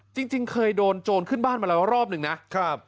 จริงเคยโดนโจรขึ้นบ้านมาแล้วรอบหนึ่งนะครับ